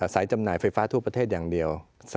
จำหน่ายไฟฟ้าทั่วประเทศอย่างเดียว